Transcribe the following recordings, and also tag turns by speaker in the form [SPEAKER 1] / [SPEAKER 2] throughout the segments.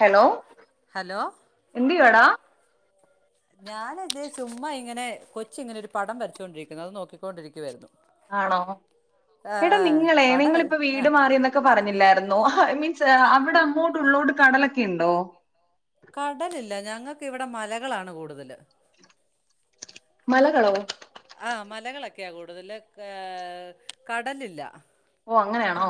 [SPEAKER 1] Hello
[SPEAKER 2] hello
[SPEAKER 1] എന്തേയുവാട?
[SPEAKER 2] ഞാനിതേ ചുമ്മാ ഇങ്ങനെ കൊച്ചിങ്ങനെ ഒരു പടം വരച്ചോണ്ടിരിക്കുന്നു അത് നോക്കികൊണ്ടിരിക്കുവായിരുന്നു.
[SPEAKER 1] ആണോ എടാ നിങ്ങളെ
[SPEAKER 2] പടം വര
[SPEAKER 1] നിങ്ങളിപ്പോ
[SPEAKER 2] ആ
[SPEAKER 1] വീട് മാറിന്നൊക്കെ പറഞ്ഞില്ലായിരുന്നോ ഐ മീൻ സ്നേഹം ടാ ങ്ങോട്ട്‌ ഉള്ളോട്ട് കടലക് ക്കിണ്ടോ?
[SPEAKER 2] കടലില്ല ഞങ്ങക്കിവിടെ മലകളാണ് കൂടുതല്.
[SPEAKER 1] മലകളോ?
[SPEAKER 2] ആ മലകളക്കെയാ കൂടുതല് ഏ കടലില്ല
[SPEAKER 1] ഓ അങ്ങനാണോ?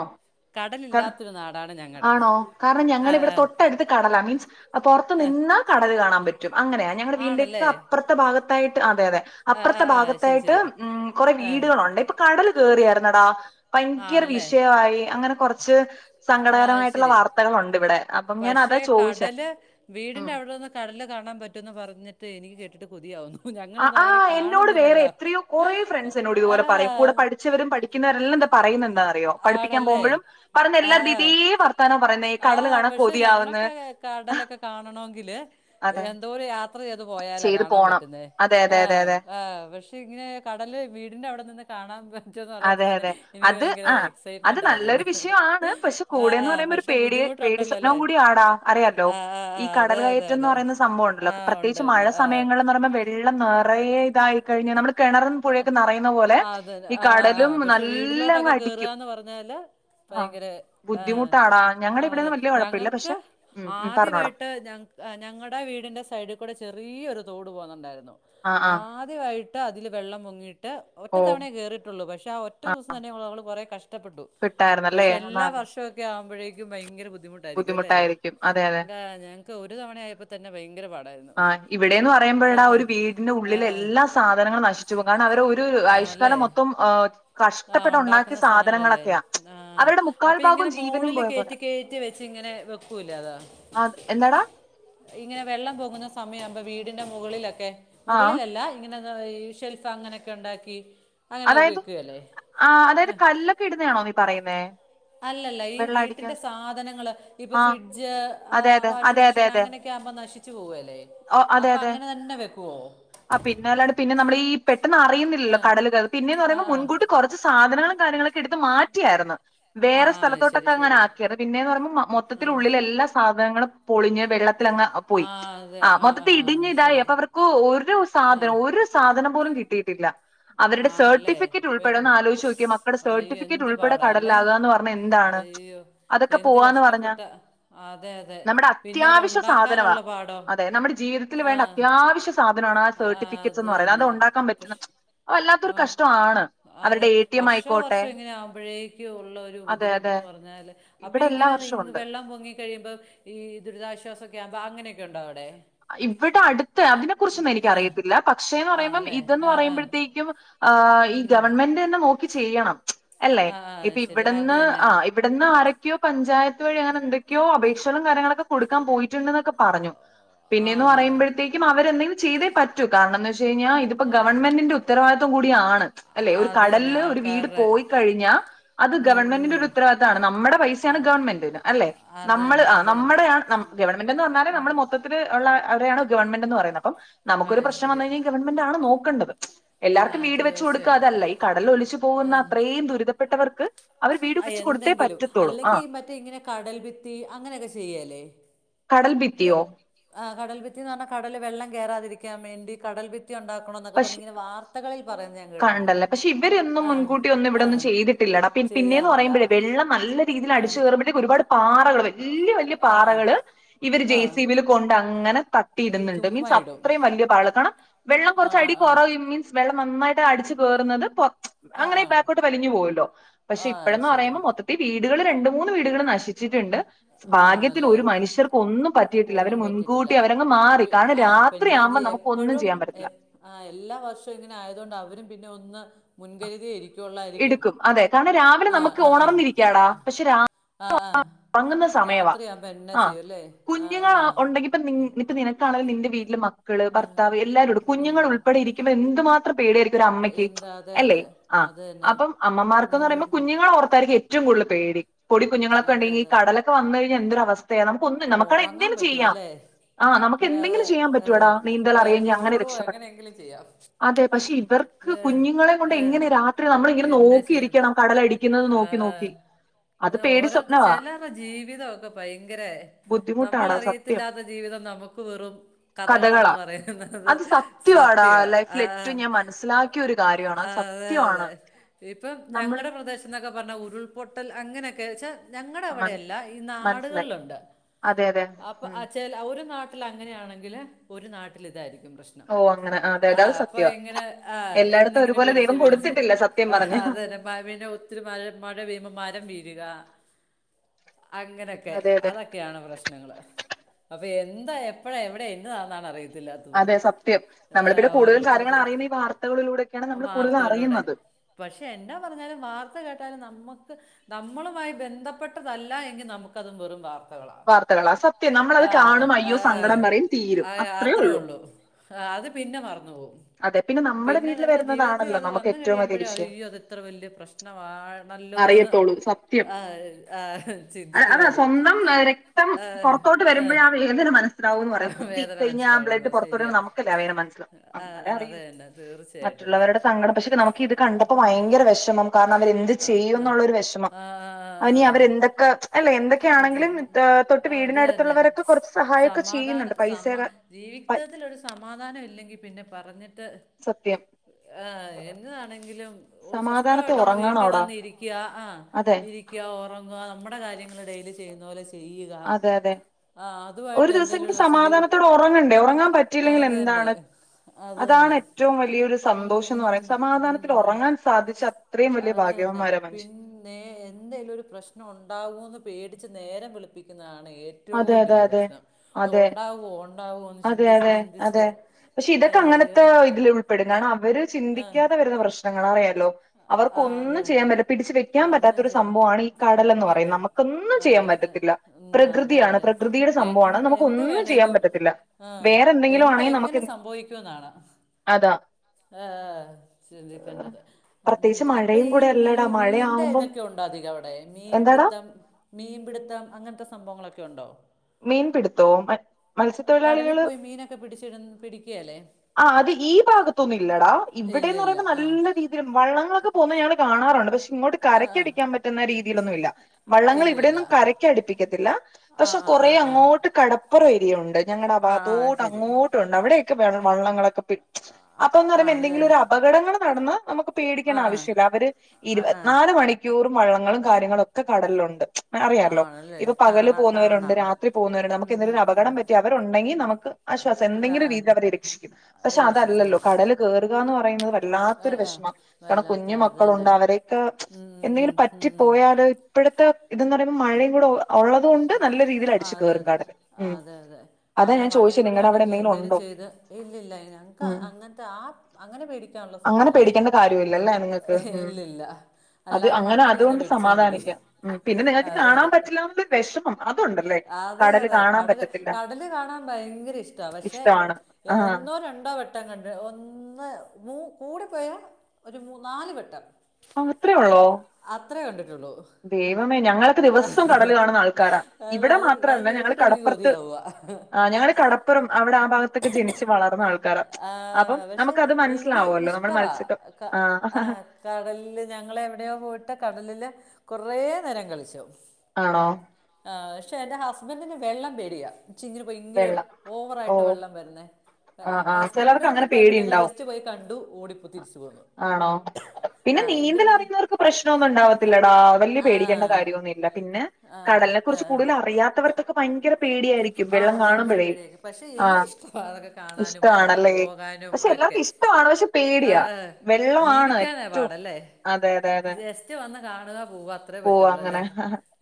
[SPEAKER 1] ക്കർ
[SPEAKER 2] കടലില്ലാത്തൊരു നാടാണ് ഞങ്ങടെ
[SPEAKER 1] ആണോ കാരണം
[SPEAKER 2] ആ
[SPEAKER 1] ഞങ്ങടിവിടെ
[SPEAKER 2] ആ
[SPEAKER 1] തൊട്ടടുത്ത് കടലാ മീൻസ് പൊറത്ത് നിന്ന കടല് കാണാൻ പറ്റും. അങ്ങനെയാ ഞങ്ങടെ വീടിന്റെയൊക്കെ
[SPEAKER 2] ആണല്ലേ
[SPEAKER 1] അപ്രത്തഭാഗത്ത്‌ ത്തായിട്ട് അതെയതെ.
[SPEAKER 2] ആ ആ
[SPEAKER 1] അപ്രത്തെ
[SPEAKER 2] ആ ശരി
[SPEAKER 1] ഭാഗത്തായിട്ട്
[SPEAKER 2] ശരി
[SPEAKER 1] മ് കൊറേ
[SPEAKER 2] ആ
[SPEAKER 1] വീടുകളോണ്ടേ കടൽ കേറിയാരുന്നെടാ. പയങ്കര
[SPEAKER 2] ആണല്ലേ
[SPEAKER 1] വിഷയ ആയി അങ്ങനെ കൊർച്ച്‌
[SPEAKER 2] ആ അയ് ശെരി
[SPEAKER 1] അപ്പം ഞാൻ
[SPEAKER 2] പക്ഷെ
[SPEAKER 1] അതാ ചോദിച്ചെ
[SPEAKER 2] കടല്
[SPEAKER 1] ഉം
[SPEAKER 2] വീടിന്റെ അവടെ നിന്ന് കടല് കാണാൻ പറ്റുന്ന് പറഞ്ഞ് ത്തെ യെനിക്ക് കേട്ടിട്ട് കൊതിയാവുന്നു.
[SPEAKER 1] ആ
[SPEAKER 2] ഞങ്ങളൊന്നും
[SPEAKER 1] ആ
[SPEAKER 2] അങ്ങനെ
[SPEAKER 1] എന്നോട് വേറെ
[SPEAKER 2] കാണുന്നില്ലല്ലോ
[SPEAKER 1] എത്രയോ കൊറേ ഫ്രണ്ട്‌സ് എന്നോടിതുപോലെ പറയും കൂടെ
[SPEAKER 2] ആഹ്
[SPEAKER 1] പഠിച്ചവരും പഠിക്കുന്നവരെല്ലാം പറയുന്നുണ്ട
[SPEAKER 2] ആണല്ലേ ആ
[SPEAKER 1] ഇതേ വർത്താനം പറയുന്നേ
[SPEAKER 2] ആ
[SPEAKER 1] കടല് കാണാൻ
[SPEAKER 2] പക്ഷെ
[SPEAKER 1] കൊതിയാവുന്ന്
[SPEAKER 2] ഞങ്ങക്ക് കടലൊക്കെ കാണണെങ്കില്
[SPEAKER 1] അതെ
[SPEAKER 2] എന്തോര യാത്ര ത്രചെയ്ത്
[SPEAKER 1] ചെയ്ത്
[SPEAKER 2] പോയാലകാണാൻ
[SPEAKER 1] പോണം
[SPEAKER 2] പറ്റുന്നെ
[SPEAKER 1] അതെ അതെ
[SPEAKER 2] ആ
[SPEAKER 1] അതെ അതെ
[SPEAKER 2] ആ പഷെ ങ്ങനെ കടല് വീടിന്റവിടെനിന്ന് കാണാൻ പറ്റ് റ്റുന്ന്
[SPEAKER 1] അതെ
[SPEAKER 2] പറഞ്ഞപ്പത്തന്നെ
[SPEAKER 1] അതെ
[SPEAKER 2] എനിക്ക്
[SPEAKER 1] അത്
[SPEAKER 2] ഭയങ്കര
[SPEAKER 1] ആ
[SPEAKER 2] ആയെ
[SPEAKER 1] അത് നല്ലര് വിഷയ ആണ് പശേ
[SPEAKER 2] ആ ആ
[SPEAKER 1] കൂടെന്നു പറയുമ്പോൾ ഒരു
[SPEAKER 2] പക്ഷെ
[SPEAKER 1] പേടി
[SPEAKER 2] ബുദ്ധിമുട്ടുണ്ടല്ലോ
[SPEAKER 1] പേടിസ്വപ്നോം
[SPEAKER 2] അല്ലേ
[SPEAKER 1] കൂടി ആട അറിയാലോ
[SPEAKER 2] ആ ആ ആ
[SPEAKER 1] ഈ കടൽ
[SPEAKER 2] അതെ അതെ
[SPEAKER 1] കയറ്റം എന്ന്
[SPEAKER 2] അതെ
[SPEAKER 1] പറയുന്ന സംഭവ ഒണ്ടല്ലോ
[SPEAKER 2] ആ
[SPEAKER 1] പ്രത്യേകിച്ച് മഴ
[SPEAKER 2] ഉണ്ടല്ലോ ആ
[SPEAKER 1] സമയങ്ങൾ എന്നു പറയുമ്പോൾ വെള്ളം നെറയെ ഇതായിട്ട് കഴിഞ്ഞോ നമ്മള് കെണറും പുഴയൊക്കെ നറയുന്നപോലെ
[SPEAKER 2] ആ അതെ ആ പക്ഷെ വീടിലൊട്ടൊക്കെ കേറുവാന്നു പറഞ്ഞാല്
[SPEAKER 1] ആ
[SPEAKER 2] പയംങ്കര
[SPEAKER 1] ബുദ്ധിമുട്ടാടാ ഞങ്ങടെ
[SPEAKER 2] ആ അതെ
[SPEAKER 1] ഇവിടെന്നും വല്യ കുഴപ്പമില്ല
[SPEAKER 2] ഞങ്ങക്ക്
[SPEAKER 1] പക്ഷെ ഉം ഉം പറഞ്ഞോടാ
[SPEAKER 2] ആദ്യമായിട്ട് ഞങ്ങ് ഞങ്ങടെ വീടിന്റെ സൈഡി കൂടെ ചെറിയൊരു തോടുപോന്നുണ്ടായിരുന്നു
[SPEAKER 1] ആ ആ
[SPEAKER 2] ആദ്യായിട്ട് അതില് വെള്ളം പൊങ്ങിട്ട് ഒറ്റ
[SPEAKER 1] ഓ
[SPEAKER 2] തവണയേ കേറീട്ടുള്ളു പക്ഷെ ആ ഒറ്റ ദിവസം ത്തന്നെ [unintelligible] കൊറേ കഷ് ടപ്പെട്ടു
[SPEAKER 1] വിട്ടായിരുന്നല്ലേ
[SPEAKER 2] പക്ഷെ എല്ലാ
[SPEAKER 1] എന്നാലും
[SPEAKER 2] വർഷയൊക്കെ ആവുമ്പോഴേ ക് ഭയങ്കര ബു ബുദ്ധിമുട്ടായിരിക്കും. അല്ലേ
[SPEAKER 1] അതെ അതെ
[SPEAKER 2] ന്താ ഞങ്ങക്ക് ഒരു തവണ ആയപ്പോ തന്നെ ഭയങ്കര പാടായിരുന്നു
[SPEAKER 1] ആ ഇവിടെന്ന്
[SPEAKER 2] ആ
[SPEAKER 1] പറയുമ്പോഴടാ
[SPEAKER 2] ആ ആ
[SPEAKER 1] നശിച്ച് പോവുംകാരണം അവരെ ഒരു ആയുഷ്കാല
[SPEAKER 2] ആണല്ലേ
[SPEAKER 1] മൊത്തം
[SPEAKER 2] ആ
[SPEAKER 1] കഷ്ടപ്പെട്ട് ഉണ്ടാക്കിയ
[SPEAKER 2] ഉണ്ടാക്കുന്ന സാധനങ്ങളല്ലേ
[SPEAKER 1] സാധനങ്ങളൊക്കെയാ
[SPEAKER 2] ആ
[SPEAKER 1] അവരുടെ മുക്കാൽ
[SPEAKER 2] അപ്പൊ ഇങ്ങനെ
[SPEAKER 1] ഭാഗവും ജീവനും
[SPEAKER 2] മോളില്
[SPEAKER 1] പോയ പോലെ
[SPEAKER 2] കേറ്റി കേറ്റി വെ ഇങ്ങനെ വെക്കൂലെ അതാ
[SPEAKER 1] ആ എന്താടാ
[SPEAKER 2] ഇങ്ങനെ വെള്ളം പോകുന്ന സമയാവുമ്പ വീടിന്റെ മുകളിലൊ ക്കെ
[SPEAKER 1] ആ
[SPEAKER 2] മുകളിലല്ല ഇങ്ങനെ ഷെൽഫ് അങ്ങനെയൊക്കെ ഉണ്ടാക്കി അങ്ങനെ
[SPEAKER 1] അതായത്
[SPEAKER 2] വെക്കേലേ
[SPEAKER 1] ആ അതായത് കല്ലൊക്കെ ഇടുന്നതണോ വി പറയുന്നേ
[SPEAKER 2] അല്ലല്ല ഈ
[SPEAKER 1] വെള്ളം അടിക്കാൻ
[SPEAKER 2] വീട്ടിന്റെ സാധനങ്ങള് ഇപ്പൊ
[SPEAKER 1] ആ
[SPEAKER 2] ഫ്രിഡ്ജ്
[SPEAKER 1] അതെ അതെ
[SPEAKER 2] വാഷിംഗ്
[SPEAKER 1] അതെ അതെ
[SPEAKER 2] മെഷീൻ
[SPEAKER 1] അതെ
[SPEAKER 2] അങ്ങനെയൊക്കെ ആവുമ്പോ നശിച്ചു പോവല്ലെ
[SPEAKER 1] ഓ അതെ
[SPEAKER 2] അപ്പൊ
[SPEAKER 1] അതെ
[SPEAKER 2] അങ്ങനെ തന്നെ വെക്കുവോ
[SPEAKER 1] ട്ടെന്ന
[SPEAKER 2] ആ
[SPEAKER 1] അറിയുന്നില്ലോ കടലുകൾ പിന്നെന്ന്
[SPEAKER 2] ആ ആ
[SPEAKER 1] പറയുമ്പോ മുൻകൂട്ടി കൊറച്ച് സാധനങ്ങൾ കാര്യങ്ങളൊക്കെ എടുത്ത് മാറ്റിയായിരുന്നു
[SPEAKER 2] ആ
[SPEAKER 1] വേറെ
[SPEAKER 2] ആ ശരി
[SPEAKER 1] സ്ഥലത്തോട്ടൊക്കെ അങ്ങെ
[SPEAKER 2] ശരി
[SPEAKER 1] ആക്കിയത പിന്നെന്ന് പറയ്മ്പോ
[SPEAKER 2] ആ
[SPEAKER 1] മൊത്തിൽ ഉള്ളിൽ എല്ലാ സാ അങ്ങള് പൊളിഞ്ഞ് വെള്ളത്തിലങ്ങ്
[SPEAKER 2] ആ
[SPEAKER 1] പോയി
[SPEAKER 2] അതെ
[SPEAKER 1] ആ മൊത്തത്തി ഇടിഞ്ഞ് ഇതായി
[SPEAKER 2] ശരി
[SPEAKER 1] അപ്പൊ അവർക്ക് ഒരു
[SPEAKER 2] ആ
[SPEAKER 1] സാധനം ഒരു സാധനം പോലും കി കിട്ടിയിട്ടില്ല അവരുടെ
[SPEAKER 2] ആണല്ലേ
[SPEAKER 1] സർട്ടിഫിക്കറ്റ്
[SPEAKER 2] ഇപ്പം
[SPEAKER 1] ഉൾപ്പെടെ ഒന്ന്
[SPEAKER 2] എന്ത്
[SPEAKER 1] ആലോചിച്ച് നോക്കിയേ മക്കളുടെ
[SPEAKER 2] അയ്യോ
[SPEAKER 1] സർട്ടിഫിക്കറ്റ്
[SPEAKER 2] എന്ത്
[SPEAKER 1] ഉൾപ്പെടെ
[SPEAKER 2] പാടാ അല്ലേ
[SPEAKER 1] കടലാ ന്ന് പറഞ്ഞ എന്താണ്
[SPEAKER 2] അയ്യോ
[SPEAKER 1] അതൊക്കെ
[SPEAKER 2] എന്ത്
[SPEAKER 1] പോവാന്ന് പറഞ്ഞാ
[SPEAKER 2] കഷ്ടപ്പെട്ട അതെ അതെ
[SPEAKER 1] നമ്മുടെ
[SPEAKER 2] പിന്നെ അത്
[SPEAKER 1] അത്യാവശ്യ സാധനവാ
[SPEAKER 2] ഉണ്ടാക്കാനുള്ള പാടോ
[SPEAKER 1] അതെ നമ്മുടെ ജീവിതത്തിൽ
[SPEAKER 2] ആ
[SPEAKER 1] വേണ്ട അത്യാവശ്യ സാധനാണ് ആ സർട്ടിഫിക്കറ്റ് എന്ന് പറയുന്നത് അത് ഉണ്ടാക്കാൻ പറ്റുന്ന വല്ലാത്തൊരു
[SPEAKER 2] ആ
[SPEAKER 1] കഷ്ടമാണ്
[SPEAKER 2] അതെ
[SPEAKER 1] അവരുടെ എ ടി എം
[SPEAKER 2] വർഷ
[SPEAKER 1] ആയിക്കോട്ടെ
[SPEAKER 2] വർഷം എങ്ങനെ ആവുമ്പോഴേക്കും ഉള്ള ഒരു
[SPEAKER 1] അതെ അതെ
[SPEAKER 2] ബുദ്ധിമുട്ടെന്ന് പറഞ്ഞാല് അപ്പൊ
[SPEAKER 1] ഇവിടെ എല്ലാ
[SPEAKER 2] ഇങ്ങനെ
[SPEAKER 1] വർഷവും ഉണ്ട്
[SPEAKER 2] വെള്ളം പൊങ്ങി കഴിയുമ്പോ ഈ ദുരിതാശ്വാസ ക്യാമ്പ് അങ്ങനെ ക്കൊണ്ടോ അവിടെ
[SPEAKER 1] ഇവിടെ അട് ത്ത് അതിനെ കുറിച്ചൊന്നും എനിക്ക്
[SPEAKER 2] ആ
[SPEAKER 1] അറിയത്തില്ല, പക്ഷേന്ന് പറയുമ്പം
[SPEAKER 2] ആണല്ലേ
[SPEAKER 1] ഇതെന്ന്
[SPEAKER 2] ആ ആ
[SPEAKER 1] പറയുമ്പോഴത്തേക്കും ആ
[SPEAKER 2] ഉം,
[SPEAKER 1] ഈ
[SPEAKER 2] ഉം.
[SPEAKER 1] ഗവൺമെന്റിറ് തന്നെ നോ ചെയ്യണം അല്ലേ
[SPEAKER 2] ആ ആ,
[SPEAKER 1] ഇപ്പ
[SPEAKER 2] ശരി അത്
[SPEAKER 1] ഇവിടുന്ന്
[SPEAKER 2] തന്നെ
[SPEAKER 1] ആ ഇവിടുന്ന് ആരെ എന്തൊക്കെയോ പഞ്ചായത്ത് വഴി അങ്ങനെ എന്തെക്കയോ അപേക്ഷകളും കാര്യങ്ങളൊക്കെ കൊടുക്കാൻ പോയി പോയിട്ടുണ്ട് ന്നൊക്കെ പറഞ്ഞു
[SPEAKER 2] ആ
[SPEAKER 1] പിന്നേന്ന് പറയുമ്പഴത്തേക്കും അവരെ [unintelligible] എന്തെങ്കിലും ചെയ്തേ പറ്റൂ കാരണം ന്ന് വെ ച്ച് കഴിഞ്ഞാ ഇത് പ്പൊ
[SPEAKER 2] ആ,
[SPEAKER 1] ഗവൺമെൻ്റിൻ്റെ ഉത്തരവാദിത്തം കൂടിയാണ് അല്ലേ ഒരു
[SPEAKER 2] അത് തന്നെ
[SPEAKER 1] കടലില് ഒരു
[SPEAKER 2] ആൾക്കാരുടെ
[SPEAKER 1] വീട്പോയിക്കഴിഞ്ഞാ അത്
[SPEAKER 2] ഉം,
[SPEAKER 1] ഗവൺമെന്റിന്റെ
[SPEAKER 2] ഉം.
[SPEAKER 1] ഒരുത്തരവാദിത്താണ് നമ്മടെ
[SPEAKER 2] ആ,
[SPEAKER 1] പൈസയാണ് ഗവൺമെൻ്റിന് അല്ലേ
[SPEAKER 2] അത്
[SPEAKER 1] നമ്മൾ
[SPEAKER 2] തന്നെ
[SPEAKER 1] ആ
[SPEAKER 2] അത് തന്നെ
[SPEAKER 1] നമ്മടെയാണ് ഗവൺമെൻറ് എന്നു പറഞ്ഞാ നമ്മള് മൊത്തത്തിൽ ഒള്ള അവടെയാണ് ഗവൺമെൻ്റ് എന്നു പറയുന്നത് അപ്പം
[SPEAKER 2] ആ
[SPEAKER 1] നമുക്കൊരു പ്രശ്നം വന്നു
[SPEAKER 2] ശരിയാ
[SPEAKER 1] കഴിഞ്ഞാ ഈ ഗവൺമെൻ്റാണ് നോക്ക ക്കണ്ടത്
[SPEAKER 2] ആ
[SPEAKER 1] എല്ലാർക്കും വീട് വെച്ച് കൊട്ക്കാ
[SPEAKER 2] തീർച്ചയായിട്ടും
[SPEAKER 1] അതല്ല ഈ കടല് ഒലിച്ചു പോകുന്ന അത്രേം ദുരിതപ്പെട്ടവർക്ക് അവര് വീട്
[SPEAKER 2] ആ
[SPEAKER 1] വെച്ച് കൊടുത്തേ
[SPEAKER 2] എന്തെങ്കിലും
[SPEAKER 1] പറ്റത്തൊള്ളു ആ
[SPEAKER 2] അല്ലെങ്കിൽ ഈ മറ്റേ ഇങ്ങനെ കടൽ ഭിത്തി അങ്ങനെയൊക്കെ ചെയ്യല്ലേ
[SPEAKER 1] കടൽ
[SPEAKER 2] ഏ,
[SPEAKER 1] ഭിത്തിയോ കടൽ
[SPEAKER 2] ആ കടൽ ഭിത്തി ന്ന് പറഞ്ഞാ കടലിലെ വെള്ളം കേറാതിരിക്കാൻമേണ്ടി കടൽ ഭിത്തി യൊണ്ടാക്കണോന്നൊക്കെ പറഞ്ഞ് ഇങ്ങനെ വാർ
[SPEAKER 1] കാണ്‌ണ്ടല്ലേ പക്ഷേ ഇവരെന്നും
[SPEAKER 2] ആ
[SPEAKER 1] മുൻകൂട്ടി ഒന്നും
[SPEAKER 2] ആ
[SPEAKER 1] ഇവിടൊന്നും ചെയ്തിട്ടില്ലടാ പി പിന്നെന്ന്
[SPEAKER 2] ചെയ്യാറില്ല
[SPEAKER 1] പറയുമ്പഴേ വെള്ളം നല്ല
[SPEAKER 2] ആ
[SPEAKER 1] രീതിയിലടിച്ച് കേറുമ്പഴത്തേക്ക് ഒരുപാട് പാറകള് വല്യ വല്യ
[SPEAKER 2] ആ
[SPEAKER 1] പാറകള് ഇവര്
[SPEAKER 2] ആ
[SPEAKER 1] ജെ. സി. ബില് കൊണ്ടങ്ങനെ ക
[SPEAKER 2] ഈ
[SPEAKER 1] ഇട്ന്ന്ണ്ട്
[SPEAKER 2] ചുമ്മാ
[SPEAKER 1] മീൻസ്
[SPEAKER 2] ഇടും
[SPEAKER 1] അത്രേം വല്യ [unintelligible] ത്താണ് വെള്ളം
[SPEAKER 2] ആ ആ
[SPEAKER 1] കൊറച്ചടി കൊറയും മീൻസ് വെള്ളം നന്നായിട്ട് അടിച്ചു കേറുന്നത് പൊ
[SPEAKER 2] ആ
[SPEAKER 1] അങ്ങനെ
[SPEAKER 2] ആ
[SPEAKER 1] ഈ ബാക്കോട്ട് വലിഞ്ഞു പോകും പോയിണ്ടോ പോയി പക്ഷെ
[SPEAKER 2] ആ ആ
[SPEAKER 1] ഇപ്പഴെന്നു
[SPEAKER 2] ശരി
[SPEAKER 1] പറയുമ്പോ മൊത്തത്തീ വീട്ടി നിങ്ങളുടെ രണ്ട് മൂന്ന് വീടുകള് നശിച്ച് ട്ട്ണ്ട് ഭാഗ്യത്തിന്
[SPEAKER 2] ആണല്ലേ
[SPEAKER 1] ഒരു മനുഷ്യർക്കും ഒന്നും പറ്റിയിട്ടില്ല അവര്
[SPEAKER 2] ഒന്നും പറ്റിയിട്ടില്ല
[SPEAKER 1] മുൻകൂട്ടി അവരങ്ങ് മാറി
[SPEAKER 2] പി
[SPEAKER 1] കാരണം
[SPEAKER 2] ആ പിന്നെ ജി
[SPEAKER 1] രാത്രിയാമ്പം നമക്കൊന്നും
[SPEAKER 2] എപ്പോഴും
[SPEAKER 1] ചെയ്യാൻ പറ്റത്തില്ല
[SPEAKER 2] എപ് ആ എല്ലാ വർഷോം ഇങ്ങനെ ആയതോണ്ട് അവരും പിന്നെ ഒന്ന് മുൻകരുതിയാ ഇരിക്കു
[SPEAKER 1] ഇട്ക്കും അതെ കാരണ രാവിലെ നമക്ക്
[SPEAKER 2] ആ ആ
[SPEAKER 1] ഒന്നർന്നിരിക്കാടാ പക്ഷെ
[SPEAKER 2] ആ
[SPEAKER 1] രാത്രി
[SPEAKER 2] ആ
[SPEAKER 1] ഒറങ്ങുന്ന സമയവാ
[SPEAKER 2] രാത്രിയാകുമ്പോൾ എന്നാ
[SPEAKER 1] ആ
[SPEAKER 2] ചെയ്യും അല്ലേ ആ ആ
[SPEAKER 1] കുഞ്ഞുങ്ങള്
[SPEAKER 2] ആ.
[SPEAKER 1] ഒണ്ടെങ്കിൽ ഇപ്പൊ നിനക്കാണേലും നിൻ്റെ എൻ്റെ വീട്ടില് മക്ക മക്കള് ഭർത്താവ് എല്ലാവരുണ്ട്
[SPEAKER 2] ഉം
[SPEAKER 1] കുഞ്ഞുങ്ങളുൾപ്പടെ ഇരിക്കുമ്പ എ മാത്രം പേടിയായിരിക്കും ഒരമ്മയ്ക്ക്
[SPEAKER 2] എന്താ അതെ
[SPEAKER 1] എല്ലേ
[SPEAKER 2] അതെ
[SPEAKER 1] ആ
[SPEAKER 2] അത് തന്നെ
[SPEAKER 1] അപ്പം അമ്മമാർക്ക് ന്ന് പറയുമ്പം
[SPEAKER 2] ഉം
[SPEAKER 1] കുഞ്ഞുങ്ങളെ ഓർത്തായിരിക്കും റ്റവും കൂടുതൽ പേടി പൊടികുഞ്ഞുങ്ങൾ ഒക്കെ
[SPEAKER 2] അതെ
[SPEAKER 1] ഉണ്ടെങ്കിൽ എ
[SPEAKER 2] അതെ
[SPEAKER 1] കടലൊക്കെ വന്ന് കഴിഞ്ഞാൽ എന്തൊരു അവസ്ഥ ആണ് നമക്കാണെങ്കിൽ ഒന്നും, നമുക്ക്
[SPEAKER 2] ഉറങ്ങാൻ പറ്റുവോ അല്ലേ
[SPEAKER 1] ആണെങ്കിൽ
[SPEAKER 2] അത്
[SPEAKER 1] എന്തെങ്കിലും ചെയ്യാമെടാ നീന്തൽ അറിയാം
[SPEAKER 2] ഇറങ്ങി
[SPEAKER 1] എങ്കിൽ അങ്ങനെ
[SPEAKER 2] ഓടുവോ
[SPEAKER 1] രക്ഷപെടാം
[SPEAKER 2] എങ്ങനെയെങ്കിലും ചെയ്യാം
[SPEAKER 1] അതെ പക്ഷെ ഇവർക്ക്
[SPEAKER 2] ഏ
[SPEAKER 1] കുഞ്ഞുങ്ങൾ
[SPEAKER 2] ഏ
[SPEAKER 1] [unintelligible] രാത്രി നമ്മളിങ്ങനെ
[SPEAKER 2] എന്നാ
[SPEAKER 1] നോക്കി
[SPEAKER 2] ചെയ്യും
[SPEAKER 1] ഇരിക്കണം കടലടിക്കുന്നത് നോക്കി നോക്കി അത് പേടി
[SPEAKER 2] ഓരോത്ത്
[SPEAKER 1] സ്വപ്നവാ
[SPEAKER 2] ചെലറെ ജീവിതവൊക്കെ പയങ്കരെ
[SPEAKER 1] ബുദ്ധിമുട്ടാടാ സത്യം
[SPEAKER 2] നമ്മളറിയത്തില്ലാത്ത ജീവിതം നമ്മുക്ക് വെറും കഥകളാന്നു
[SPEAKER 1] കഥകളാ
[SPEAKER 2] പറയുന്നത്
[SPEAKER 1] അത് സത്യവാടാ
[SPEAKER 2] സത്യവാ
[SPEAKER 1] ലൈഫിൽ
[SPEAKER 2] ആഹ്‌
[SPEAKER 1] ഏറ്റവും ഞാൻ മനസ്സിലാക്കിയ ഒരു കാര്യമാണ് അത്
[SPEAKER 2] അതെ
[SPEAKER 1] സത്യമാണ്
[SPEAKER 2] അതെ ഇപ്പോ
[SPEAKER 1] നമ്മള്
[SPEAKER 2] ഞങ്ങടെ പ്രദേശം എന്നക്കെ പറഞ്ഞാ ഉരുൾപൊട്ടൽ അങ്ങ ക്കെ ച്ചാ ഞങ്ങടെ
[SPEAKER 1] മനസ്
[SPEAKER 2] അവിടെയല്ല ഈ
[SPEAKER 1] മനസ്സിലായി
[SPEAKER 2] നാടുകളിലൊണ്ട്
[SPEAKER 1] അതെ അതെ
[SPEAKER 2] അപ്പൊ
[SPEAKER 1] ഉം
[SPEAKER 2] ചെല ഒരു നാട്ടിലങ്ങനെയാ ങ്കില് ഒരു നാട്ടിലിതാരി ക്കും പ്രശ്നം
[SPEAKER 1] ഓ അങ്ങനെ ആ, അതെ അതെ അത്
[SPEAKER 2] ആഹ്‌ അപ്പൊ
[SPEAKER 1] സത്യവാ
[SPEAKER 2] എങ്ങനെ ആഹ്‌
[SPEAKER 1] എല്ലായിടത്തും
[SPEAKER 2] എന്നുവിങ്ങനെ
[SPEAKER 1] ഒരുപോലെ
[SPEAKER 2] പേടിച്ച്
[SPEAKER 1] ദൈവം
[SPEAKER 2] പേടിച്ച്
[SPEAKER 1] കൊടുത്തിട്ടില്ല സത്യം
[SPEAKER 2] ആഹ്‌
[SPEAKER 1] പറഞ്ഞ
[SPEAKER 2] അതന്നെ മഴ പിന്നെ ഒത്തിരി മഴ മഴ പെയ്യുമ്പം മരം വീഴും ആഹ്‌ അങ്ങനൊക്കെ
[SPEAKER 1] അതെ അതെ
[SPEAKER 2] അതാക്കെയാണ് പ്രശ്നങ്ങള് അപ്പൊ എ എന്താ എപ്പഴാ എവിടാ എന്നതാ ണെന്നറിയുന്നേ
[SPEAKER 1] അതെ സത്യം നമ്മള് പിന്നെ കൂടുതൽ കാര്യങ്ങൾ
[SPEAKER 2] ഓരോരുത്തർക്ക്
[SPEAKER 1] അറിയുന്ന ഈ വാർത്തകളിലൂടെയൊക്കെയാണ് നമ്മൾ കൂടുതൽ
[SPEAKER 2] വാർത്തകളിലൂടെ
[SPEAKER 1] അറിയുന്നത്
[SPEAKER 2] പക്ഷെ എന്നാ പറഞ്ഞാലും വാർത്ത കേട്ടാലും നമുക്ക് നമ്മളുമായി ബന്ധപ്പെട്ടതല്ല എങ്കിൽ നമുക്കതും വെറും വാർത്തകളാണ്
[SPEAKER 1] വാർത്തകളാ സത്യം നമ്മളത്
[SPEAKER 2] ആ
[SPEAKER 1] കാണും
[SPEAKER 2] ആ
[SPEAKER 1] അയ്യോ സങ്കടം പറയും തീരും
[SPEAKER 2] ആ
[SPEAKER 1] അത്രേ
[SPEAKER 2] അത്രേ
[SPEAKER 1] ഉള്ളൂ
[SPEAKER 2] ഉള്ളൂ ആ, അത് പിന്നെ മറന്നു പോകും
[SPEAKER 1] അതെ
[SPEAKER 2] പിന്നെ
[SPEAKER 1] വീട്ടിൽ
[SPEAKER 2] നമ്മുടെ ജീവിതത്തി
[SPEAKER 1] വരുന്നതാണല്ലോ
[SPEAKER 2] അത്
[SPEAKER 1] നമുക്ക്
[SPEAKER 2] വന്ന്
[SPEAKER 1] ഏറ്റവും വലിയ
[SPEAKER 2] കഴിയുമ്പോഴേ അറിയു
[SPEAKER 1] വിഷയം
[SPEAKER 2] യ്യോ അത് ഇത്ര വല്യ പ്രശ്നമാണല്ലോന്ന്
[SPEAKER 1] അറിയത്തോളൂ സത്യം അ അതാ
[SPEAKER 2] ചിന്തിക്കുകയുള്ളൂ
[SPEAKER 1] സ്വന്തം രക്തം
[SPEAKER 2] ആ,
[SPEAKER 1] പൊറത്തോട്ട് വരുമ്പോഴ ആ വേദന മനസ്സിലാവുന്ന്
[SPEAKER 2] ആ,
[SPEAKER 1] പറയുന്നെ കുത്തി
[SPEAKER 2] വേദന
[SPEAKER 1] കഴിഞ്ഞ ആ ബ്ലഡ്
[SPEAKER 2] മനസ്സിലാവണമെന്ന്
[SPEAKER 1] പൊറത്തോട്ട്
[SPEAKER 2] ശരിയാ
[SPEAKER 1] വരമ്പ നമക്കല്ലേ ആ വേദന മനസ്സിലാവു
[SPEAKER 2] ആ,
[SPEAKER 1] അന്നാലെ
[SPEAKER 2] ആ,
[SPEAKER 1] അറിയൂ
[SPEAKER 2] അതെ തന്നെ തീർച്ചയായിട്ടും
[SPEAKER 1] മറ്റുള്ളവരുടെ സങ്കടം പക്ഷെ നമുക്ക് ഇത് കണ്ടപ്പോ ഭയങ്കര വെഷമം കാ അവരെന്ത്
[SPEAKER 2] ആ ആ
[SPEAKER 1] ചെയ്യുംന്നുള്ളൊരു വെഷമം
[SPEAKER 2] ആ ആ ആ
[SPEAKER 1] അനി
[SPEAKER 2] ആ.
[SPEAKER 1] അവരെന്തൊക്കെ അല്ല എന്തൊക്കെയാണെങ്കിലും തൊട്ട്
[SPEAKER 2] അത് തന്നെ
[SPEAKER 1] വീടിനടുത്തുള്ളവരൊക്കെ കൊറച്ച് സഹായൊക്കെചെയ്യുന്നുണ്ട്
[SPEAKER 2] സമാധാനം സമാ
[SPEAKER 1] പൈസടെ പൈ
[SPEAKER 2] പറഞ്ഞ് ട്ട് ആ എന്നതാണെങ്കിലും
[SPEAKER 1] സമാധാനത്തെ ഒറങ്ങണം
[SPEAKER 2] ട്ടി വന്നരിക്യ ആഹ് ഇരിക്യ ഒറങ്ങ നമ്മടെ കാര്യങ്ങ ങ്ങൾ ഡെയിലി ചെയ്യുന്ന പോലെ ചെ
[SPEAKER 1] അതെ അതെ ഒരു
[SPEAKER 2] എന്തെങ്കിലും
[SPEAKER 1] ദിവസങ്കും
[SPEAKER 2] ദിവസം വി-
[SPEAKER 1] സമാധാനത്തോടെ ഉറങ്ങണ്ടേ ഉറങ്ങാൻ പറ്റിയില്ലെങ്കിൽ
[SPEAKER 2] അത് തന്നെ
[SPEAKER 1] എന്താണ്
[SPEAKER 2] അത്
[SPEAKER 1] അതാണ്
[SPEAKER 2] തന്നെ
[SPEAKER 1] ഏറ്റവും വലിയൊരു
[SPEAKER 2] ഉം,
[SPEAKER 1] സന്തോഷം
[SPEAKER 2] ഉം,
[SPEAKER 1] എന്ന് പറയാ സമാധാനത്തി ഉറങ്ങാൻ സാധിച്ച അത്രയും വലിയ
[SPEAKER 2] അതന്നെ
[SPEAKER 1] ഭാഗ്യവന്മാരാ മനുഷ്യൻ
[SPEAKER 2] പിന്നെ എന്തെലും ഒരു പ്രശ്നം ഉണ്ടാവോന്ന് പേ പേടിച്ച് നേരം വിളിപ്പിക്കുന്നതാണ്
[SPEAKER 1] അതെ അതെ അതെ അതെ
[SPEAKER 2] ഉണ്ടാകുമോ ഉണ്ടാകുമോ എന്ന്
[SPEAKER 1] അതെ
[SPEAKER 2] ചിന്തിച്ച്
[SPEAKER 1] അതെ
[SPEAKER 2] ചിന്തിച്ച്
[SPEAKER 1] അതെ പക്ഷെ ഇതൊക്കെ
[SPEAKER 2] അയ്യോ
[SPEAKER 1] അങ്ങനത്തെ ഇതില് ഉൾപ്പെടും കാരണം അവര്
[SPEAKER 2] ആ
[SPEAKER 1] ചിന്തിക്കാതെ വരുന്ന പ്രശ്ന ആ അറിയാം ലോ
[SPEAKER 2] ആ, അത്
[SPEAKER 1] അവർക്കൊന്നും
[SPEAKER 2] തന്നെ
[SPEAKER 1] ചെയ്യാൻ പറ്റ പിടിച്ചുവെക്കാൻ പറ്റാത്ത
[SPEAKER 2] ഒന്നും
[SPEAKER 1] ഒരു
[SPEAKER 2] ചെയ്യ
[SPEAKER 1] സംബമാണ് ഈ കടൽ എന്ന്
[SPEAKER 2] ആ ആ
[SPEAKER 1] പറയുന്നത് നമുക്കൊന്നും
[SPEAKER 2] ആ,
[SPEAKER 1] ചെയ്യാൻ
[SPEAKER 2] അതെ അതെ
[SPEAKER 1] പറ്റത്തില്ല
[SPEAKER 2] ഉം,
[SPEAKER 1] പ്ര
[SPEAKER 2] അതെ
[SPEAKER 1] കൃതിയാണ്
[SPEAKER 2] അതെ
[SPEAKER 1] പ്രകൃതിയുടെ
[SPEAKER 2] എൻ
[SPEAKER 1] സംബവാണ് നമുക്ക്
[SPEAKER 2] എന്ത്
[SPEAKER 1] ഒന്നും ചെയ്യാൻ
[SPEAKER 2] വേണേലും
[SPEAKER 1] പറ്റത്തില്ല
[SPEAKER 2] ആ
[SPEAKER 1] വേറെ എന്തെങ്കിലും
[SPEAKER 2] എന്ത്
[SPEAKER 1] ആണേ നമുക്ക്
[SPEAKER 2] എങ്ങനെ
[SPEAKER 1] എന്തെ അതാ
[SPEAKER 2] ആ ആ ശ്രദ്ധിക്കേണ്ടത്
[SPEAKER 1] പ്രത്യേകിച്ച്
[SPEAKER 2] അപ്പ
[SPEAKER 1] മഴയും കൂടെ
[SPEAKER 2] ഈമീ
[SPEAKER 1] അല്ലടാ
[SPEAKER 2] മീന്റെ
[SPEAKER 1] മഴയാവുമ്പം
[SPEAKER 2] ഇതൊക്കെ ഒണ്ടോ അധികം അവിടെ
[SPEAKER 1] എന്താടാ
[SPEAKER 2] മീൻപിടുത്തം മീൻപിടുത്തം അങ്ങനത്തെ സംഭ ബോങ്ങളൊക്കെ ഒണ്ടോ
[SPEAKER 1] മീൻ പിടുത്തവോ മത്
[SPEAKER 2] കടലിൽ
[SPEAKER 1] മത്സ്യത്തൊഴിലാളികള്
[SPEAKER 2] പോയി മീനൊക്കെ പിടിച്ചിട പിടിക്കുകയല്ലേ
[SPEAKER 1] ആ അത് ഈ ഭാഗത്തൊന്നു ഇ ഇല്ലട
[SPEAKER 2] ഇല്ല
[SPEAKER 1] ഇവിടെന്ന്
[SPEAKER 2] ഇല്ല
[SPEAKER 1] പറയുമ്പോ
[SPEAKER 2] ആഹ്
[SPEAKER 1] നല്ല രീതിയിൽ വള്ളങ്ങളൊക്കെ പോകുമ്പോ ഞങ്ങള് കാണാറുണ്ട് പഷ് ഇങ്ങോട്ട് കരയ്ക്ക് അടിക്കാൻ പറ്റുന്ന രീതിയിലൊന്നുല്ല, വള്ളങ്ങൾ
[SPEAKER 2] ഇല്ല ഇല്ല
[SPEAKER 1] ഇവിടെന്നും കരയ്ക്ക് അടിപ്പിക്കത്തില്ല,
[SPEAKER 2] ആഹ്
[SPEAKER 1] പക്ഷേ
[SPEAKER 2] ആഹ്
[SPEAKER 1] കൊറെ
[SPEAKER 2] ആഹ് ആഹ്
[SPEAKER 1] അങ്ങോട്ട് കടപ്പുറം ഏരിയ ഒണ്ട്, ഞങ്ങടെ ആ
[SPEAKER 2] ആഹ് ആഹ്
[SPEAKER 1] ഭാഗത്തോട്ട്
[SPEAKER 2] ശരി
[SPEAKER 1] അങ്ങോട്ട് ഒണ്ട് അവിടെയൊക്കെ വെള് വള്ളങ്ങളൊക്കെ അപ്പോന്ന് പറയുന്ന
[SPEAKER 2] ആണല്ലേ
[SPEAKER 1] എന്തെങ്കിലും ഒരു അപകടങ്ങള് കടന്ന് നമുക്ക് പേടിക്കേണ്ട
[SPEAKER 2] ആഹ് ആഹ്
[SPEAKER 1] ആവശ്യല്ല അവര്
[SPEAKER 2] ആഹ്
[SPEAKER 1] ഇര്പത് നാല് മണിക്കൂറും വള്ളങ്ങളും കാര്യങ്ങളും ഒക്കെ കടലിൽ ഒണ്ട്.
[SPEAKER 2] ആഹ്
[SPEAKER 1] അറിയാലോ
[SPEAKER 2] ആണല്ലേ
[SPEAKER 1] ഇപ്പോ പകൽ
[SPEAKER 2] കാണാം
[SPEAKER 1] പോന്നവരുണ് പിന്നെ
[SPEAKER 2] കാണാം
[SPEAKER 1] രാത്രി പോകുന്നവരുണ്ട് നമുക്ക്
[SPEAKER 2] ഉം ഉം
[SPEAKER 1] എന്തെങ്കിലും ഒരു
[SPEAKER 2] ഉം
[SPEAKER 1] അപകടം പറ്റിയ അവരൊണ്ടങ്കി നമുക്ക് ആശ്വാസ
[SPEAKER 2] ആഹ്
[SPEAKER 1] എന്തെങ്കിലും
[SPEAKER 2] ആഹ്
[SPEAKER 1] രീതിയിൽ അവരെ രക്ഷിക്കും, പക്ഷേ അത് അല്ലല്ലോ
[SPEAKER 2] ഏക്ഷിച്ചോളും
[SPEAKER 1] കടലു കേറു ഇതാന്ന് പറയുന്നത് പറ്റ്
[SPEAKER 2] ആ
[SPEAKER 1] വല്ലാത്തൊരു
[SPEAKER 2] ആ
[SPEAKER 1] വെഷമ കണം
[SPEAKER 2] വല്ലാത്ത അത്
[SPEAKER 1] കുഞ്ഞുമക്കൾ
[SPEAKER 2] തന്നെ
[SPEAKER 1] ഉണ്ട് അവരെയൊക്കെ
[SPEAKER 2] ഉം ഉം
[SPEAKER 1] എന്തെങ്കിലും
[SPEAKER 2] ഉം ഉം.
[SPEAKER 1] പറ്റിപ്പോയാല് ഇപ്പഴത് ട്ട് ഇതെന്ന് പറയുമ്പോൾ മഴയും കൂടെ ഒള് ഒള്ളതുകൊണ്ട് നല്ല രീ
[SPEAKER 2] ആ അതെ അതെ ആ അതെ അതെ
[SPEAKER 1] അതാ
[SPEAKER 2] അങ്ങനെ
[SPEAKER 1] ഞാൻ
[SPEAKER 2] മഴയും
[SPEAKER 1] ചോദിച്ചത് നിങ്ങളുടെ അവിടെ
[SPEAKER 2] കൂടിയാണെങ്കി
[SPEAKER 1] എന്തെങ്കിലും
[SPEAKER 2] എന്തേലും
[SPEAKER 1] ഉണ്ടോ
[SPEAKER 2] ചെയ്ത് ഏയ് ഇല്ലില്ല ഞങ്ങക്ക് അ
[SPEAKER 1] ഉം
[SPEAKER 2] അങ്ങനത്തെ ആ അങ്ങന പേടിക്കാനുള്ള
[SPEAKER 1] അങ്ങനെ
[SPEAKER 2] സംഭവം ഒന്നുമില്ല,
[SPEAKER 1] പേടിക്കേണ്ട കാര്യമില്ലല്ലേ നിങ്ങൾക്ക്
[SPEAKER 2] ഏയ്
[SPEAKER 1] ഉം
[SPEAKER 2] ഇല്ലില്ല
[SPEAKER 1] അത്
[SPEAKER 2] അല്ലാതെ
[SPEAKER 1] അങ്ങനെ
[SPEAKER 2] മണ്ണിടിയുന്നത്
[SPEAKER 1] അതുകൊണ്ട്
[SPEAKER 2] പേടിച്ചാ മതി.
[SPEAKER 1] സമാധാനിക്കാം ഉം പിന്നെ കാണാൻ പറ്റില്ലാന്നൊള്ളൊരു വെഷമം അത്
[SPEAKER 2] ആതെ അതെ കടല് കടല് കാണാൻ ഭയങ്കര ഇഷ്ടാ പക്ഷേ
[SPEAKER 1] ഇഷ്ടമാണ് ആഹ്
[SPEAKER 2] ഒന്നോ രണ്ടോ വട്ടം കണ്ട് ഒന്ന് മു കൂ കൂടിപ്പോയാൽ ഒരു മു നാലുവട്ടം
[SPEAKER 1] അത്രയേ ഒള്ളോ?
[SPEAKER 2] കണ്ടിട്ടുള്ളൂ
[SPEAKER 1] ദൈവമേ ഞങ്ങള് ദിവസം കടല് കാണുന്ന ആൾക്കാരാ
[SPEAKER 2] അല്ല
[SPEAKER 1] ഇവിടെ
[SPEAKER 2] അത് അത്
[SPEAKER 1] മാത്രല്ല ഞങ്ങള്
[SPEAKER 2] കേട്ടിട്ട് എനിക്ക്
[SPEAKER 1] കടപ്പറത്ത്
[SPEAKER 2] കൊതിയാവുക
[SPEAKER 1] ആ ഞങ്ങൾള് കടപ്പറം അവടെ ആ ഭാഗത്തൊക്കെ ജനിച്ചു വളർന്ന ആൾ
[SPEAKER 2] ആ പക്ഷേ എനിക്ക്
[SPEAKER 1] മനസ്സിലാവുമല്ലോ നമ്മൾ
[SPEAKER 2] ഇഷ്ടവാ
[SPEAKER 1] മത്സ്യത്തെ
[SPEAKER 2] ക ആ
[SPEAKER 1] ആഹ്
[SPEAKER 2] കടലില് ഞങ്ങൾ എവിടെയോ പോയിട്ട് കടലില് കൊറേ നേരം കളിച്ചു.
[SPEAKER 1] ആണോ?
[SPEAKER 2] ആഹ് പക്ഷേ എന്റെ ഹസ്ബന്റിന് വെള്ളം പേടിയാ. ച്ചെ ഇങ്ങനെ ഭയങ്കര
[SPEAKER 1] വെള്ളം ഓ
[SPEAKER 2] ഓവറായിട്ട് വെള്ളം വരന്നേ.
[SPEAKER 1] ആഹ്
[SPEAKER 2] ആ
[SPEAKER 1] ആഹ്
[SPEAKER 2] ഹസ്ബന്റിന്റെ
[SPEAKER 1] ചിലർക്ക്
[SPEAKER 2] കൂടത്തി
[SPEAKER 1] അങ്ങനെ
[SPEAKER 2] പോയപ്പോ ഞങ്ങള്
[SPEAKER 1] പേടിണ്ടാവും
[SPEAKER 2] ജസ്റ്റ് പോയി കണ് ണ്ടു ഓടി പോയി തിരിച്ച്
[SPEAKER 1] ആണോ പിന്നെ
[SPEAKER 2] വീ
[SPEAKER 1] നീന്തലറിയുന്നവർക്ക് പ്രശ്നം ഒന്നും ഒണ്ടാവത്തില്ലടാ വല്യ
[SPEAKER 2] ആ
[SPEAKER 1] പേടിക്കണ്ട കാര്യൊന്നും ഇല്ല, പിന്നെ
[SPEAKER 2] ആ
[SPEAKER 1] കടലിനെ കുറിച്ച് കൂടുതല് അറിയാത്തവർക്കൊക്കെ ഭയങ്കര പേടിയായിരിക്കും വെള്ളം
[SPEAKER 2] ആഹ് ഭയങ്കര
[SPEAKER 1] കാണുമ്പോഴേ
[SPEAKER 2] പേടിയായിരിക്കും പക്ഷെ എനിക്ക്
[SPEAKER 1] ആഹ്
[SPEAKER 2] ഇഷ്ടവാ അതൊക്കെ കാണാനും അവിടെ
[SPEAKER 1] ഇഷ്ടമാണല്ലേ
[SPEAKER 2] പോകാനും ഒക്കെ ആ ആഹ്
[SPEAKER 1] വെള്ളവാണ് ഏറ്റവും അതെ അതെ അതെ
[SPEAKER 2] ജസ്റ്റ് വന്ന് കാണുക പോവുക അത്രേ
[SPEAKER 1] പോവ
[SPEAKER 2] പറ്റുള്ളൂ അല്ലേ
[SPEAKER 1] അങ്ങനെ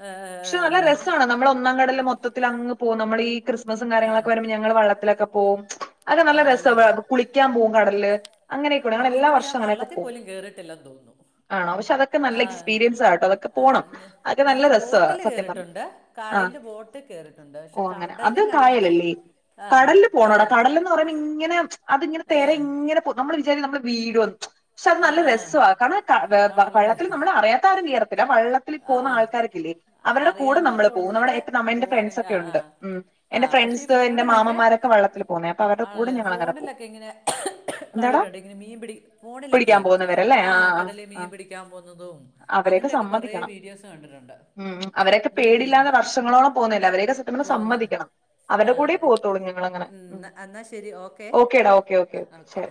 [SPEAKER 2] ആ,
[SPEAKER 1] പക്ഷെ
[SPEAKER 2] ആ.
[SPEAKER 1] നല്ല രസവാണ് നമ്മൾ ഒന്നാം കടലില് മൊത്തത്തിൽ അങ്ങ് പോ നമ്മടെ ഈ ക്രിസ്മസും കാര്യങ്ങളൊക്കെ വരുമ്പോ ഞങ്ങള് വള്ളത്തിലൊക്കെ പോവും അത് നല്ല
[SPEAKER 2] ആണല്ലേ
[SPEAKER 1] രസവാ വ കുളിക്കാൻ പോവും കടലില് അങ്ങനെയൊക്കൂടെ ഞങ്ങൾ
[SPEAKER 2] സത്യം
[SPEAKER 1] എല്ലാ
[SPEAKER 2] പറഞ്ഞാൽ
[SPEAKER 1] വർഷ്
[SPEAKER 2] ഞാൻ
[SPEAKER 1] അങ്ങനൊക്കെ
[SPEAKER 2] വള്ളത്തിൽ
[SPEAKER 1] പോവും
[SPEAKER 2] പോലും കയറിയിട്ടില്ലെന്ന് തോന്നുന്നു
[SPEAKER 1] ആണോ പക്ഷെ അതൊക്കെ നല്ല
[SPEAKER 2] ആ
[SPEAKER 1] എക്സ്പീരിയൻസാ കേട്ടോ അതൊക്കെ
[SPEAKER 2] ആ,
[SPEAKER 1] പോണം
[SPEAKER 2] ഞ-
[SPEAKER 1] അത് നല്ല
[SPEAKER 2] ഞങ്ങൾ
[SPEAKER 1] രസവാ
[SPEAKER 2] ബോട്ടിൽ
[SPEAKER 1] സത്യം പറഞ്ഞാ
[SPEAKER 2] കയറിയിട്ടുണ്ട്
[SPEAKER 1] ആഹ്
[SPEAKER 2] കായലിൽ ബോട്ടിൽ കയറിയിട്ടുണ്ട് പക്ഷെ
[SPEAKER 1] ഓ അങ്ങനെ അത്
[SPEAKER 2] കടലിൽ അങ്ങനെ
[SPEAKER 1] കായലല്ലേ
[SPEAKER 2] ആ
[SPEAKER 1] കടലില് പോണോടാ
[SPEAKER 2] കായൽ
[SPEAKER 1] കടലന്ന് പറയുമ്പോ ഇങ്ങനെ മ്ച് അതിങ്ങനെ
[SPEAKER 2] ആ
[SPEAKER 1] തെര ഇങ്ങനെ പോ നമ്മള് വിചാ ത്തി നമ്മള് വീഴുവോന്ന് ക്ഷ അത്
[SPEAKER 2] ആ
[SPEAKER 1] നല്ല രസവാ കാരണം ക വെ
[SPEAKER 2] ആണല്ലേ
[SPEAKER 1] വള്ളത്തില് നമ്മൾ അറിയാത്ത ആരും കേറത്തില്ല വള്ളത്തിൽ
[SPEAKER 2] ആ
[SPEAKER 1] പോന്ന ആൾക്കാരൊക്കില്ലേ
[SPEAKER 2] ആ
[SPEAKER 1] അവരുടെ കൂടെ
[SPEAKER 2] അറിയാവുന്നവരുടെ
[SPEAKER 1] നമ്മള് പോവും നമ്മടെ
[SPEAKER 2] കൂട്ടത്തിലൊക്കെ
[SPEAKER 1] ഇപ്പം എന്റെ
[SPEAKER 2] പോവുകയാണെങ്കിൽ
[SPEAKER 1] ഫ്രണ്ട്സൊക്കെ
[SPEAKER 2] ആ ആ
[SPEAKER 1] ഒണ്ട് മ്മ്
[SPEAKER 2] ആ
[SPEAKER 1] എന്റെ
[SPEAKER 2] പക്ഷേ ഈ
[SPEAKER 1] ഫ്രണ്ട്‌സ് എന്റെ
[SPEAKER 2] ഫോണിലൊക്കെ
[SPEAKER 1] മാമന്മാരൊക്ക വള്ളത്തിൽ പോന്നയാ അപ്പൊ അവരുടെ കൂടെ
[SPEAKER 2] ആണല്ലേ
[SPEAKER 1] ഞങ്ങളങ്ങനെ പോവും
[SPEAKER 2] ഫോണിലൊക്കെ ഇങ്ങനെ
[SPEAKER 1] എന്താടോ
[SPEAKER 2] കണ്ടിട്ടുണ്ട് ഇങ്ങനെ മീൻ [inaudible]
[SPEAKER 1] പിടിക്കാൻ പോന്നവരല്ലേ ആ ആഹ്
[SPEAKER 2] കടലിൽ മീൻ
[SPEAKER 1] -ആഹ്
[SPEAKER 2] പിടിക്കാൻ പോകുന്നതും
[SPEAKER 1] അവരെയൊക്കെ
[SPEAKER 2] അതിൻ്റെയൊക്കെ കുറേ
[SPEAKER 1] സമ്മതിക്കണം
[SPEAKER 2] വീഡിയോസ് കണ്ടിട്ടുണ്ട്
[SPEAKER 1] മ്മ്- മ്മ് അവരക്കെ
[SPEAKER 2] ഉം,
[SPEAKER 1] പേടിയില്ലാതെ വർഷങ്ങളോളം പോന്നയല്ലേ അവരെയൊക്കെ സത്യം പറഞ്ഞാ
[SPEAKER 2] പോകുന്ന
[SPEAKER 1] സമ്മതിക്കണം
[SPEAKER 2] ആ
[SPEAKER 1] അവരുടെ കൂടെ
[SPEAKER 2] അതെ
[SPEAKER 1] പോവത്തോളൂ ഞങ്ങളങ്ങനെ
[SPEAKER 2] ഉം,
[SPEAKER 1] മ്മ്
[SPEAKER 2] ന്നാ- എന്നാ ശരി
[SPEAKER 1] ഓക്കെ ഡാ ഓക്കെ ഓക്കെ ഓക്കെ ശരി